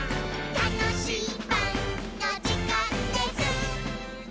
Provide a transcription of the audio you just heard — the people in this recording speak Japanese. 「たのしいパンのじかんです！」